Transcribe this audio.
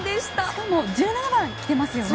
しかも１７番を着てますね。